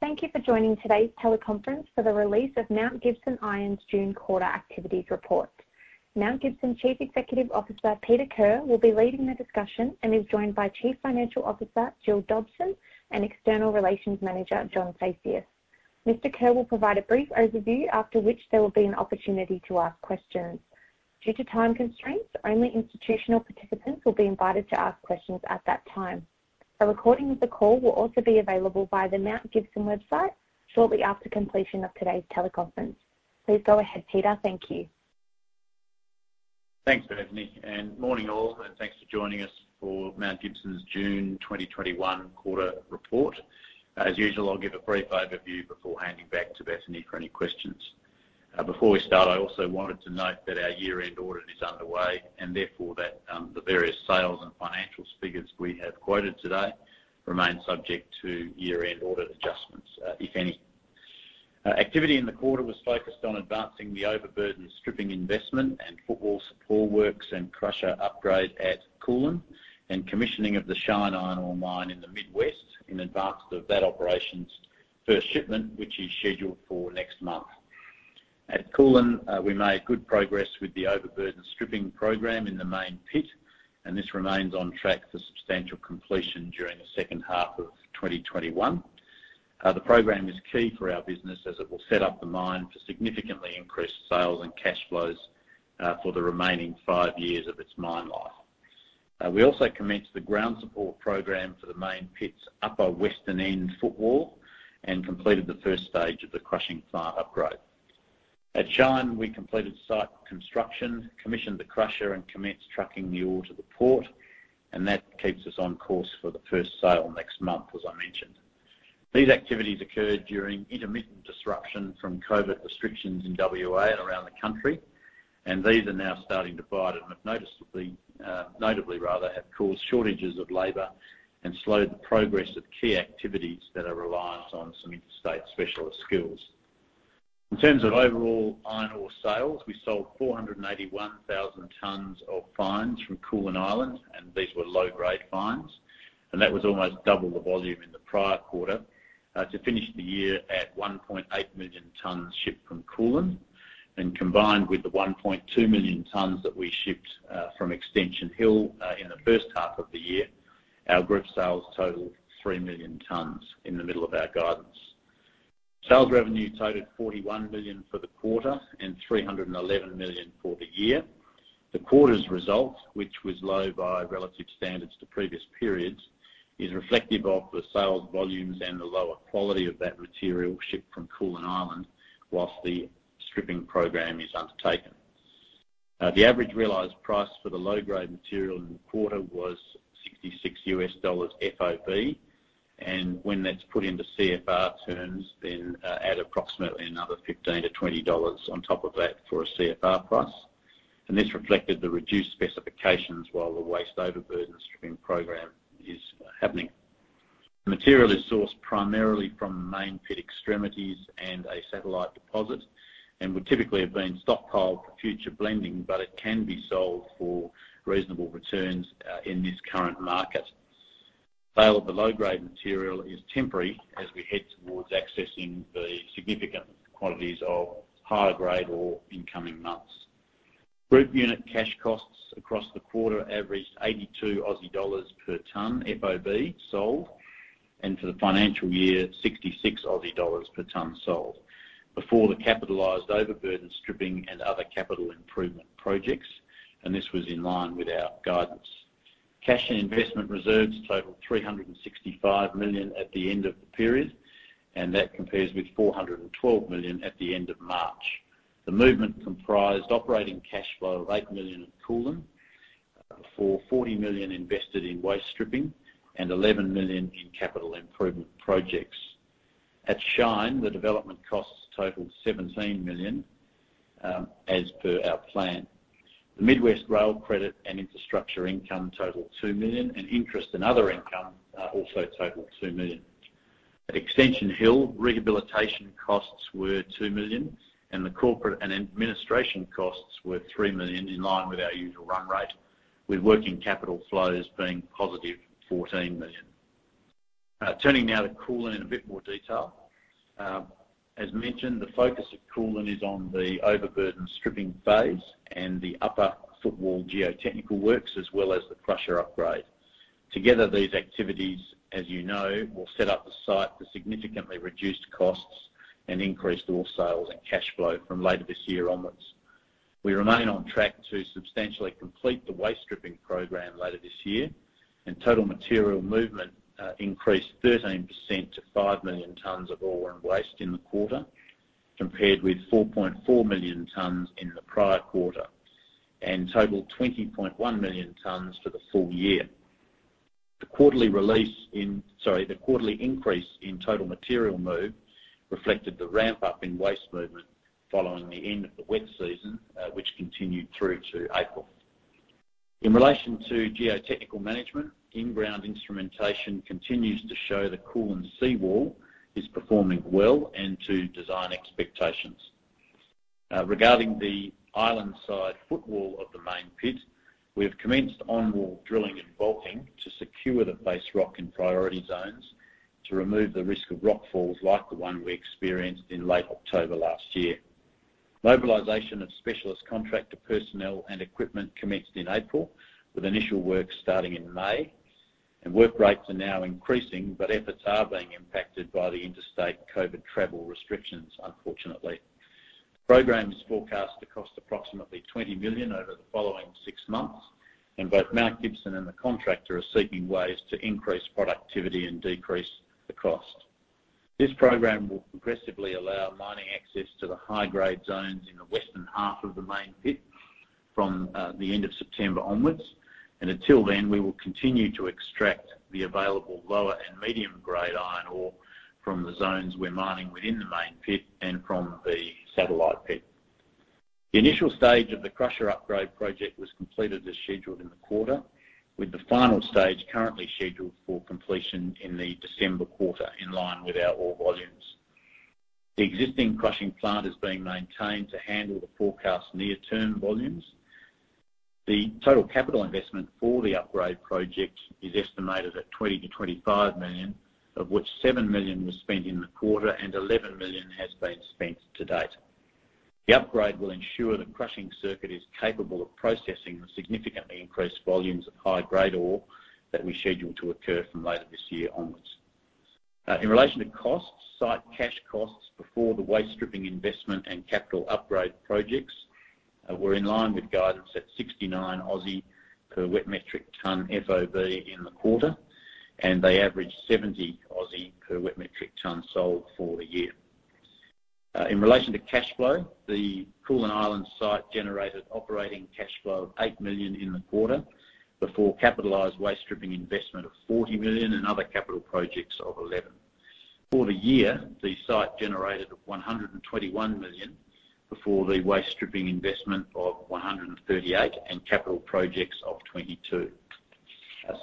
Thank you for joining today's teleconference for the release of Mount Gibson Iron's June quarter activities report. Mount Gibson Chief Executive Officer, Peter Kerr, will be leading the discussion and is joined by Chief Financial Officer, Gillian Dobson, and External Relations Manager, John Phaceas. Mr. Kerr will provide a brief overview, after which there will be an opportunity to ask questions. Due to time constraints, only institutional participants will be invited to ask questions at that time. A recording of the call will also be available via the Mount Gibson website shortly after completion of today's teleconference. Please go ahead, Peter. Thank you. Thanks, Bethany, and morning all, and thanks for joining us for Mount Gibson's June 2021 quarter report. As usual, I'll give a brief overview before handing back to Bethany for any questions. Before we start, I also wanted to note that our year-end audit is underway and therefore that the various sales and financial figures we have quoted today remain subject to year-end audit adjustments, if any. Activity in the quarter was focused on advancing the overburden stripping investment and footwall support works and crusher upgrade at Koolan, and commissioning of the Shine iron ore mine in the Mid-West in advance of that operation's first shipment, which is scheduled for next month. At Koolan, we made good progress with the overburden stripping program in the main pit, and this remains on track for substantial completion during the second half of 2021. The program is key for our business as it will set up the mine to significantly increase sales and cash flows for the remaining five years of its mine life. We also commenced the ground support program for the main pit's upper western end footwall and completed the stage 1 of the crushing plant upgrade. At Shine, we completed site construction, commissioned the crusher, and commenced trucking the ore to the port, and that keeps us on course for the first sale next month, as I mentioned. These activities occurred during intermittent disruption from COVID restrictions in W.A. and around the country. These are now starting to bite and have notably have caused shortages of labor and slowed the progress of key activities that are reliant on some interstate specialist skills. In terms of overall iron ore sales, we sold 481,000 tons of fines from Koolan Island, and these were low-grade fines. That was almost double the volume in the prior quarter, to finish the year at 1.8 million tons shipped from Koolan. Combined with the 1.2 million tons that we shipped from Extension Hill in the first half of the year, our group sales totaled 3 million tons, in the middle of our guidance. Sales revenue totaled 41 million for the quarter and 311 million for the year. The quarter's result, which was low by relative standards to previous periods, is reflective of the sales volumes and the lower quality of that material shipped from Koolan Island whilst the stripping program is undertaken. The average realized price for the low-grade material in the quarter was $66 US FOB. When that's put into CFR terms, then add approximately another $15 to $20 on top of that for a CFR price. This reflected the reduced specifications while the waste overburden stripping program is happening. Material is sourced primarily from main pit extremities and a satellite deposit and would typically have been stockpiled for future blending, but it can be sold for reasonable returns in this current market. Sale of the low-grade material is temporary as we head towards accessing the significant quantities of higher grade ore in coming months. Group unit cash costs across the quarter averaged 82 Aussie dollars per ton FOB sold, for the financial year, 66 Aussie dollars per ton sold before the capitalized overburden stripping and other capital improvement projects, this was in line with our guidance. Cash and investment reserves totaled 365 million at the end of the period, that compares with 412 million at the end of March. The movement comprised operating cash flow of 8 million at Koolan, for 40 million invested in waste stripping and 11 million in capital improvement projects. At Shine, the development costs totaled 17 million, as per our plan. The midwest rail credit and infrastructure income totaled 2 million interest and other income also totaled 2 million. At Extension Hill, rehabilitation costs were 2 million the corporate and administration costs were 3 million, in line with our usual run rate, with working capital flows being positive 14 million. Turning now to Koolan in a bit more detail. As mentioned, the focus of Koolan is on the overburden stripping phase and the upper footwall geotechnical works, as well as the crusher upgrade. Together, these activities, as you know, will set up the site for significantly reduced costs and increased ore sales and cash flow from later this year on wards. We remain on track to substantially complete the waste stripping program later this year, and total material movement increased 13% to 5 million tons of ore and waste in the quarter, compared with 4.4 million tons in the prior quarter, and totaled 20.1 million tons for the full year. The quarterly increase in total material move reflected the ramp-up in waste movement following the end of the wet season, which continued through to April. In relation to geotechnical management, in-ground instrumentation continues to show the Koolan seawall is performing well and to design expectations. Regarding the island side footwall of the main pit, we have commenced on-wall drilling and bolting to secure the base rock in priority zones to remove the risk of rock falls like the one we experienced in late October last year. Mobilization of specialist contractor personnel and equipment commenced in April, with initial works starting in May, and work rates are now increasing, but efforts are being impacted by the interstate COVID travel restrictions, unfortunately. Program is forecast to cost approximately 20 million over the following six months, and both Mount Gibson and the contractor are seeking ways to increase productivity and decrease the cost. This program will progressively allow mining access to the high-grade zones in the western half of the main pit from the end of September onwards. Until then, we will continue to extract the available lower and medium-grade iron ore from the zones we're mining within the main pit and from the satellite pit. The initial stage of the crusher upgrade project was completed as scheduled in the quarter, with the final stage currently scheduled for completion in the December quarter, in line with our ore volumes. The existing crushing plant is being maintained to handle the forecast near-term volumes. The total capital investment for the upgrade project is estimated at 20 to 25 million, of which 7 million was spent in the quarter and 11 million has been spent to date. The upgrade will ensure the crushing circuit is capable of processing the significantly increased volumes of high-grade ore that we schedule to occur from later this year onwards. In relation to costs, site cash costs before the waste stripping investment and capital upgrade projects were in line with guidance at 69 per wet metric ton FOB in the quarter, and they averaged 70 per wet metric ton sold for the year. In relation to cash flow, the Koolan Island site generated operating cash flow of 8 million in the quarter before capitalized waste stripping investment of 40 million and other capital projects of 11. For the year, the site generated 121 million before the waste stripping investment of 138 and capital projects of 22.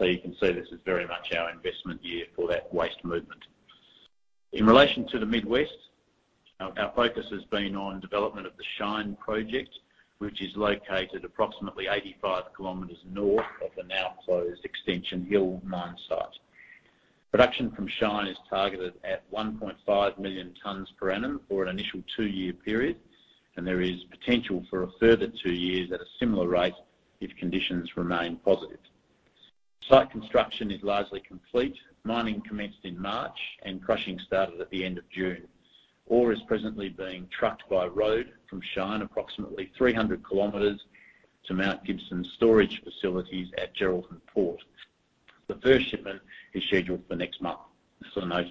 You can see this is very much our investment year for that waste movement. In relation to the Mid-West, our focus has been on development of the Shine project, which is located approximately 85 km north of the now closed Extension Hill mine site. Production from Shine is targeted at 1.5 million tons per annum for an initial two-year period, and there is potential for a further two years at a similar rate if conditions remain positive. Site construction is largely complete. Mining commenced in March and crushing started at the end of June. Ore is presently being trucked by road from Shine approximately 300 km to Mount Gibson's storage facilities at Geraldton Port. The first shipment is scheduled for next month. Just a note.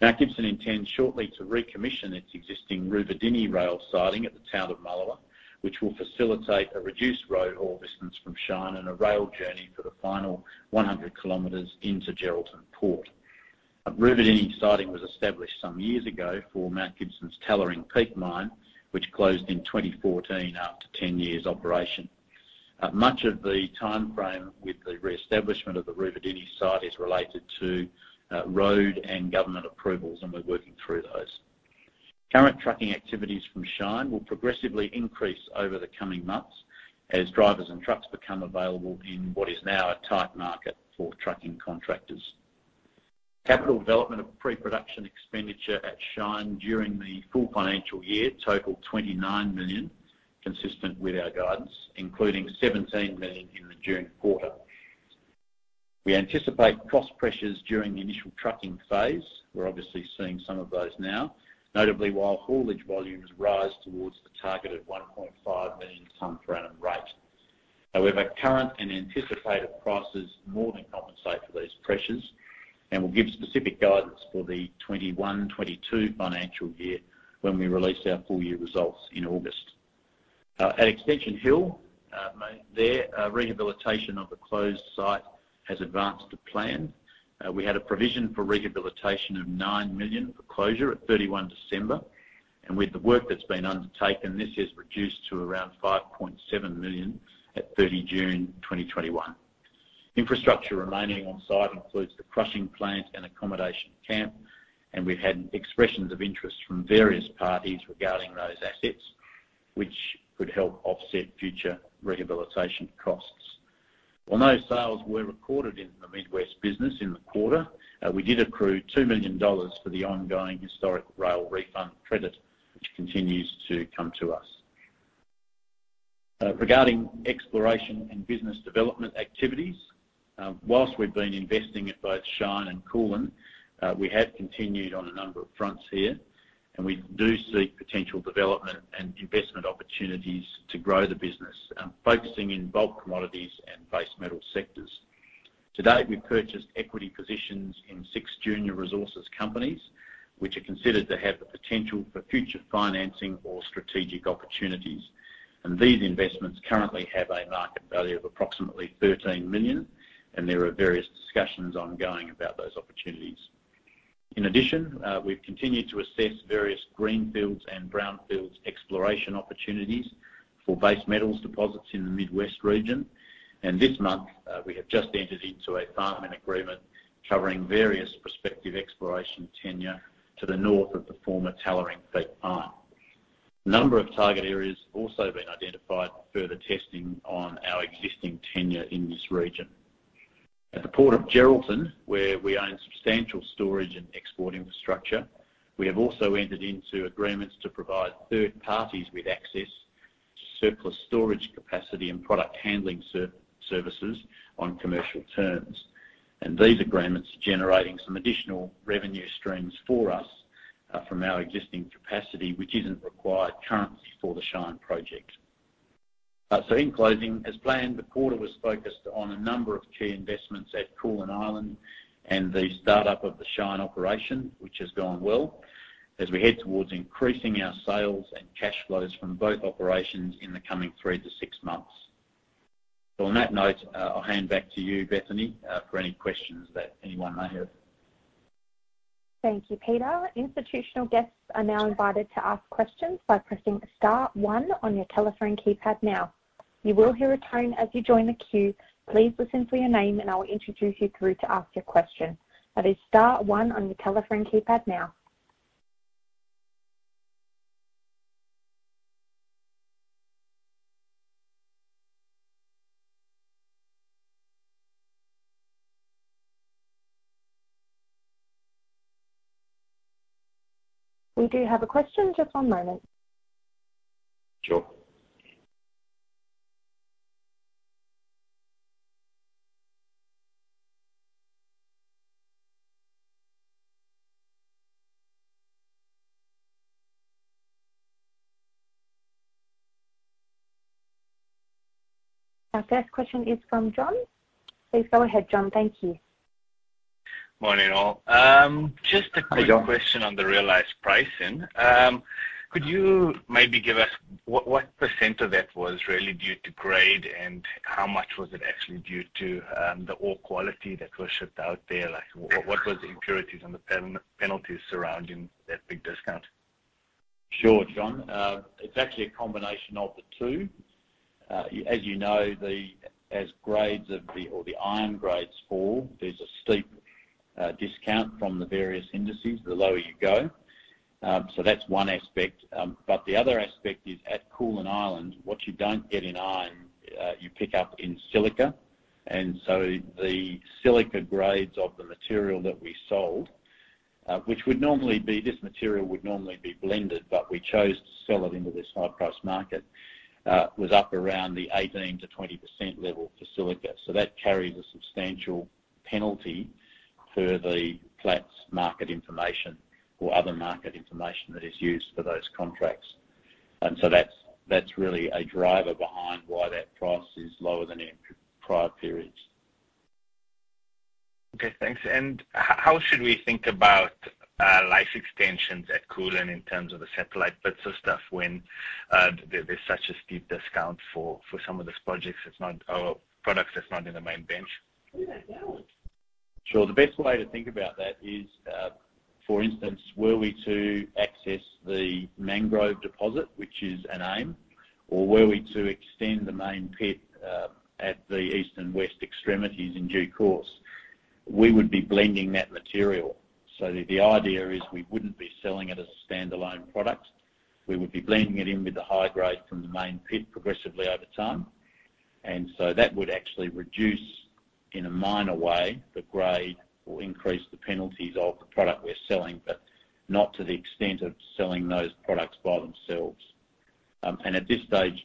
Mount Gibson intends shortly to recommission its existing Ruvidini rail siding at the town of Mullewa, which will facilitate a reduced road haul distance from Shine and a rail journey for the final 100 km into Geraldton Port. Ruvidini siding was established some years ago for Mount Gibson's Tallering Peak mine, which closed in 2014 after 10 years operation. Much of the timeframe with the reestablishment of the Ruvidini site is related to road and government approvals. We're working through those. Current trucking activities from Shine will progressively increase over the coming months as drivers and trucks become available in what is now a tight market for trucking contractors. Capital development of pre-production expenditure at Shine during the full financial year totaled 29 million, consistent with our guidance, including 17 million in the June quarter. We anticipate cost pressures during the initial trucking phase. We're obviously seeing some of those now. Notably, while haulage volumes rise towards the target of 1.5 million tons per annum rate. Current and anticipated prices more than compensate for these pressures, and we'll give specific guidance for the 2021, 2022 financial year when we release our full-year results in August. At Extension Hill, there, rehabilitation of the closed site has advanced to plan. We had a provision for rehabilitation of 9 million for closure at 31 December. With the work that's been undertaken, this has reduced to around 5.7 million at 30 June 2021. Infrastructure remaining on site includes the crushing plant and accommodation camp, and we've had expressions of interest from various parties regarding those assets, which could help offset future rehabilitation costs. While no sales were recorded in the Mid-West business in the quarter, we did accrue 2 million dollars for the ongoing historic rail refund credit, which continues to come to us. Regarding exploration and business development activities, whilst we've been investing at both Shine and Koolan, we have continued on a number of fronts here, and we do seek potential development and investment opportunities to grow the business, focusing in bulk commodities and base metal sectors. To date, we've purchased equity positions in six junior resources companies, which are considered to have the potential for future financing or strategic opportunities. These investments currently have a market value of approximately 13 million, and there are various discussions ongoing about those opportunities. In addition, we've continued to assess various greenfields and brownfields exploration opportunities. For base metals deposits in the Mid-West region. This month, we have just entered into a farm-in agreement covering various prospective exploration tenure to the north of the former Tallering Peak mine. A number of target areas have also been identified for further testing on our existing tenure in this region. At the Port of Geraldton, where we own substantial storage and export infrastructure, we have also entered into agreements to provide third parties with access to surplus storage capacity and product handling services on commercial terms. These agreements are generating some additional revenue streams for us from our existing capacity, which isn't required currently for the Shine project. In closing, as planned, the quarter was focused on a number of key investments at Koolan Island and the start-up of the Shine operation, which has gone well, as we head towards increasing our sales and cash flows from both operations in the coming 3-6 months. On that note, I'll hand back to you, Bethany, for any questions that anyone may have. Thank you, Peter. Institutional guests are now invited to ask questions by pressing star one on your telephone keypad now. You will hear a tone as you join the queue. Please listen for your name and I will introduce you through to ask your question. That is star one on your telephone keypad now. We do have a question. Just one moment. Sure. Our first question is from John. Please go ahead, John. Thank you. Morning, all. Hi, John. Just a quick question on the realized pricing. Could you maybe give us what % of that was really due to grade and how much was it actually due to the ore quality that was shipped out there? What was the impurities and the penalties surrounding that big discount? Sure, John. It's actually a combination of the two. As you know, as grades of the, or the iron grades fall, there's a steep discount from the various indices the lower you go. That's one aspect. The other aspect is at Koolan Island, what you don't get in iron, you pick up in silica. The silica grades of the material that we sold, which this material would normally be blended, but we chose to sell it into this high-price market, was up around the 18% to 20% level for silica. That carries a substantial penalty per the Platts market information or other market information that is used for those contracts. That's really a driver behind why that price is lower than in prior periods. Okay, thanks. How should we think about life extensions at Koolan in terms of the satellite pits of stuff when there's such a steep discount for some of this products that's not in the main bench? Sure. The best way to think about that is, for instance, were we to access the Mangrove deposit, which is an aim, or were we to extend the main pit at the east and west extremities in due course, we would be blending that material. The idea is we wouldn't be selling it as a standalone product. We would be blending it in with the high grade from the main pit progressively over time. That would actually reduce, in a minor way, the grade or increase the penalties of the product we're selling, but not to the extent of selling those products by themselves. At this stage,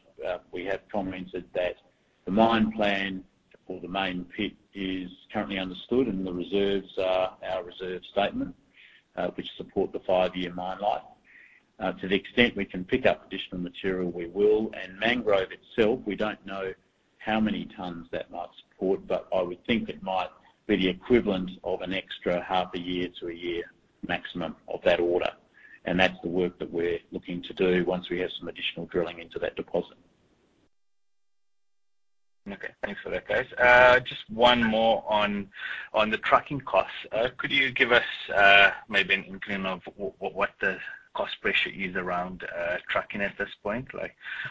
we have commented that the mine plan for the main pit is currently understood and the reserves are our reserve statement, which support the five-year mine life. To the extent we can pick up additional material, we will. Mangrove itself, we don't know how many tons that might support, but I would think it might be the equivalent of an extra half a year to one year maximum of that order. That's the work that we're looking to do once we have some additional drilling into that deposit. Okay. Thanks for that, guys. Just one more on the trucking costs. Could you give us maybe an inkling of what the cost pressure is around trucking at this point?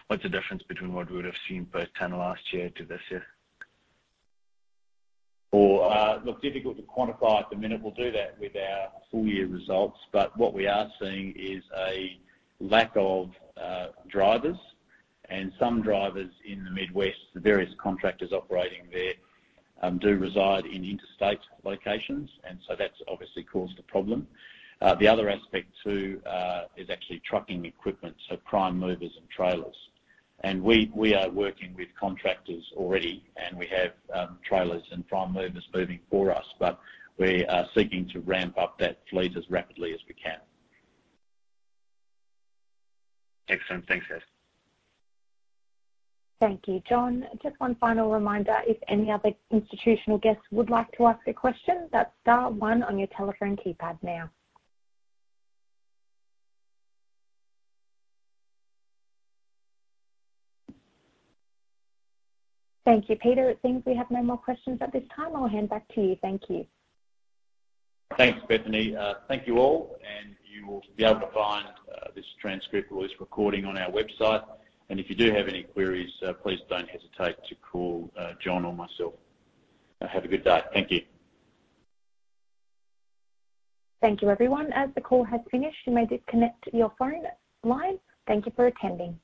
What's the difference between what we would have seen both 10 last year to this year? Look, difficult to quantify at the minute. We'll do that with our full-year results. What we are seeing is a lack of drivers and some drivers in the Mid-West, the various contractors operating there, do reside in interstate locations, and so that's obviously caused a problem. The other aspect, too, is actually trucking equipment. Prime movers and trailers. We are working with contractors already and we have trailers and prime movers moving for us, but we are seeking to ramp up that fleet as rapidly as we can. Excellent. Thanks. Thank you, John. Just one final reminder. If any other institutional guests would like to ask a question, that's star one on your telephone keypad now. Thank you, Peter. It seems we have no more questions at this time. I'll hand back to you. Thank you. Thanks, Bethany. Thank you all. You will be able to find this transcript or this recording on our website. If you do have any queries, please don't hesitate to call John or myself. Have a good day. Thank you. Thank you, everyone. As the call has finished, you may disconnect your phone line. Thank you for attending.